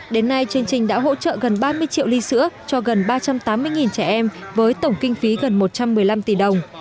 đến nay chương trình đã hỗ trợ gần ba mươi triệu ly sữa cho gần ba trăm tám mươi trẻ em với tổng kinh phí gần một trăm một mươi năm tỷ đồng